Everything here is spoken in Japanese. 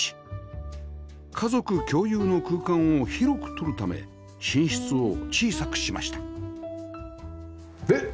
家族共有の空間を広くとるため寝室を小さくしましたで大きいベッドですね。